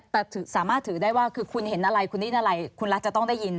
แต่สามารถถือได้ว่าคือคุณเห็นอะไรคุณได้ยินอะไรคุณรัฐจะต้องได้ยิน